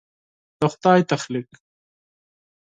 د خدای تخلیق